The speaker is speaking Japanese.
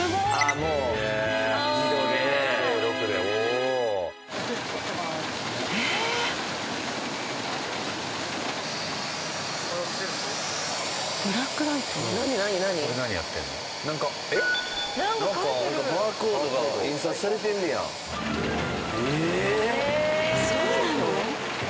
そうなの？